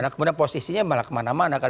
nah kemudian posisinya malah kemana mana kan